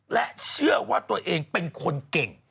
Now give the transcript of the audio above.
และเชื่อว่าตัวเองเป็นคนเก่ง